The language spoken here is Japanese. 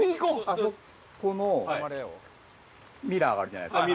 あそこのミラーがあるじゃないですか。